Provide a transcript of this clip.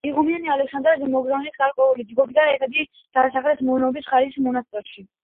იღუმენია ალექსანდრა მონაზვნების გარკვეულ ჯგუფთან ერთად დასახლდა მურომის ხარების მონასტერში.